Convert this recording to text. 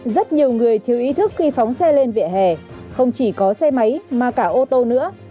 rất nhiều người thiếu ý thức khi phóng xe lên vỉa hè không chỉ có xe máy mà cả ô tô nữa